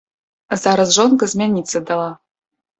Зараз жонка змяніцца дала.